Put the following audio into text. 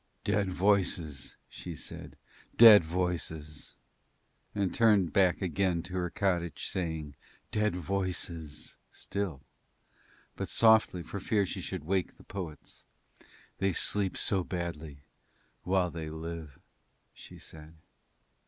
"Dead voices," she said, "Dead voices," and turned back again to her cottage saying: "Dead voices" still, but softly for fear that she should wake the poets. "They sleep so badly while they live," she said.